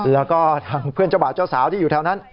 แล้วก็ทางเพื่อนเจ้าบ่าวเจ้าสาวที่อยู่แถวนั้น